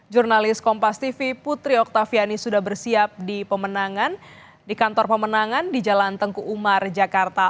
jurnalis kompas tv putri oktaviani sudah bersiap di pemenangan di kantor pemenangan di jalan tengku umar jakarta